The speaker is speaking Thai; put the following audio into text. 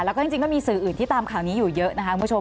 แล้วก็จริงก็มีสื่ออื่นที่ตามข่าวนี้อยู่เยอะนะคะคุณผู้ชม